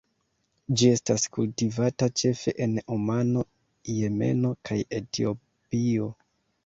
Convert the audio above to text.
Ĝi estas kultivata ĉefe en Omano, Jemeno kaj Etiopio.